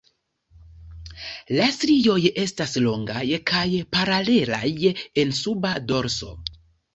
La strioj estas longaj kaj paralelaj en suba dorso.